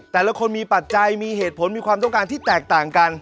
แต่ละคนมีปัจจัยมีเหตุผลมีความต้องการที่แตกต่างกัน